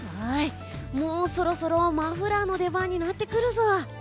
もうそろそろマフラーの出番になってくるぞ。